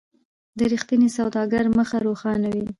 د رښتیني سوداګر مخ روښانه وي.